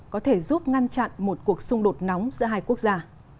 có thể giúp ngăn chặn một cuộc xung đột nóng giữa hai quốc gia